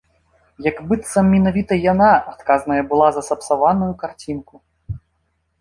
Як быццам менавіта яна адказная была за сапсаваную карцінку.